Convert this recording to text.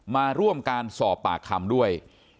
มาร่วมการสอบปากคำด้วย